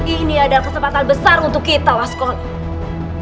ini adalah kesempatan besar untuk kita waskon